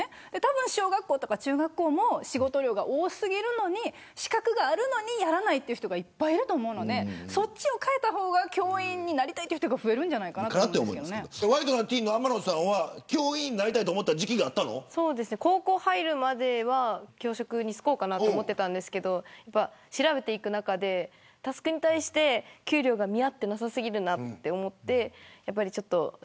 小学校とか中学校も仕事量が多すぎるのに資格があるのにやらない人がいっぱいいると思うのでそっちを変えた方が教員になりたい人がワイドナティーンの天野さんは高校に入るまでは教職に就こうかと思っていましたけど調べていく中で、タスクに対して給料が見合ってなさすぎるなと思って。